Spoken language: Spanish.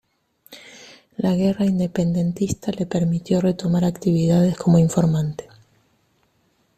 La guerra independentista le permitió retomar actividades como informante.